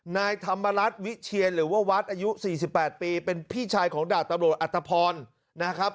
นายธรรมรัฐวิเชียนหรือว่าวัดอายุ๔๘ปีเป็นพี่ชายของดาบตำรวจอัตภพรนะครับ